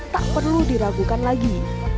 tak perlu diragukan lagi